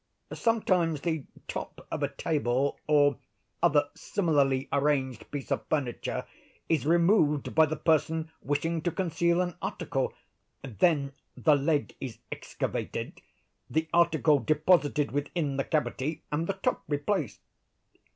"Sometimes the top of a table, or other similarly arranged piece of furniture, is removed by the person wishing to conceal an article; then the leg is excavated, the article deposited within the cavity, and the top replaced.